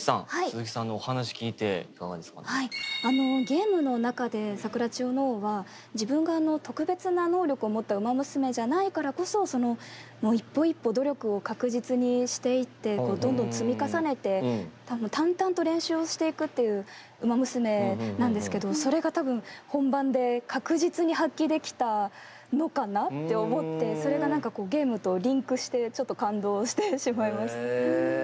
ゲームの中でサクラチヨノオーは自分が特別な能力を持ったウマ娘じゃないからこそそのもう一歩一歩努力を確実にしていってどんどん積み重ねて多分淡々と練習をしていくっていうウマ娘なんですけどそれが多分本番で確実に発揮できたのかなって思ってそれが何かこうゲームとリンクしてちょっと感動してしまいました。